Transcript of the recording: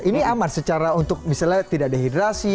ini aman secara untuk misalnya tidak dehidrasi